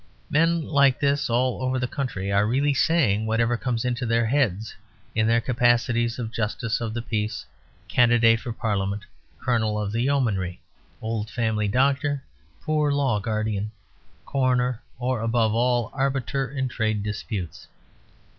Men like this all over the country are really saying whatever comes into their heads in their capacities of justice of the peace, candidate for Parliament, Colonel of the Yeomanry, old family doctor, Poor Law guardian, coroner, or above all, arbiter in trade disputes.